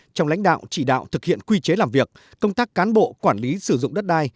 trong lãnh đạo chỉ đạo thực hiện quy chế làm việc công tác cán bộ quản lý sử dụng đất đai